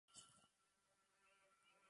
nosotras comeríamos